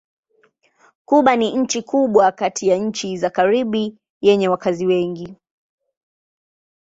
Kuba ni nchi kubwa kati ya nchi za Karibi yenye wakazi wengi.